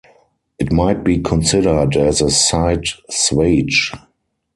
It might be considered as a side swage.